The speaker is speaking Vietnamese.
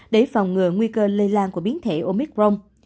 để phòng ngừa nguy cơ lây lan của biến thể omicron